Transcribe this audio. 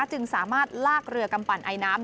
จึงสามารถลากเรือกำปั่นไอน้ำ